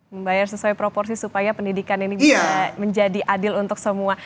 membayar sesuai proporsi supaya pendidikan ini bisa menjadi adil untuk semua